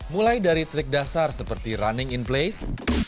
mulai dari trik dasar seperti running in place